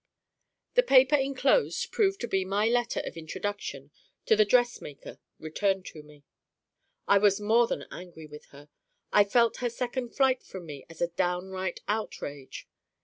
The paper inclosed proved to be my letter of introduction to the dressmaker returned to me. I was more than angry with her I felt her second flight from me as a downright outrage.